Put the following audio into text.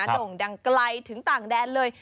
โด่งดังไกลถึงต่างแดนเลย